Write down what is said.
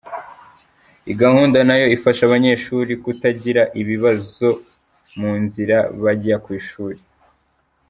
Iyi gahunda nayo ifasha abanyeshuri kutagira ibibazo mu nzira bajya ku ishuri.